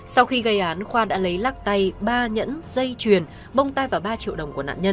sau khi gây án khoa đã lấy lắc tay ba nhẫn dây truyền bông tay vào ba triệu đồng